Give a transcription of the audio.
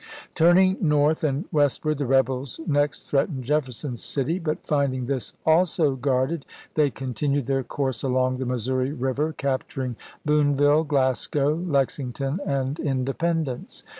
Turning north and westward the rebels next threatened Jefferson City ; but finding this also guarded they continued their course along the Missouri River, capturing Boonville, Glasgow, Lexington, and Independence.